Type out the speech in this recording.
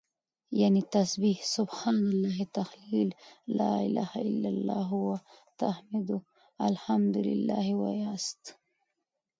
يعنې تسبيح سبحان الله، تهليل لا إله إلا الله او تحميد الحمد لله واياست